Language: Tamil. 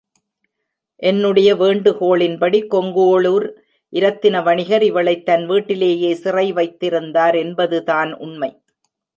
என்னுடைய வேண்டுகோளின்படி கொடுங்கோளுர் இரத்தின வணிகர் இவளைத் தம் வீட்டிலேயே சிறை வைத்திருந்தார் என்பதுதான் உண்மை.